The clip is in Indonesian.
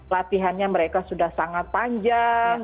latihannya mereka sudah sangat panjang